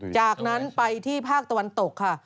จากนั้นไปที่ภาคตะวันตกค่ะ